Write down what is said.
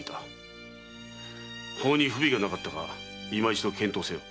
法に不備がなかったか今一度検討せよ。